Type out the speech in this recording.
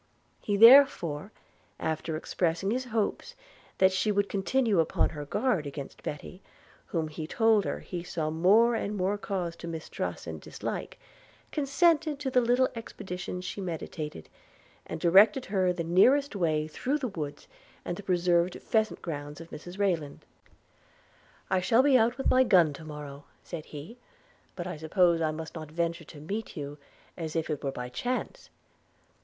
He therefore, after expressing his hopes that she would continue upon her guard against Betty, whom he told her he saw more and more cause to mistrust and dislike, consented to the little expedition she meditated, and directed her the nearest way through the woods and the preserved pheasant grounds of Mrs Rayland. 'I shall be out with my gun to morrow,' said he; 'but I suppose I must not venture to meet you as if it were by chance?'